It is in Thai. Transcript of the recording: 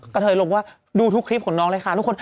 เทยลงว่าดูทุกคลิปของน้องเลยค่ะทุกคน